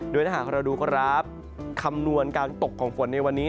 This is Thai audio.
โดยถ้าหากเราดูครับคำนวณการตกของฝนในวันนี้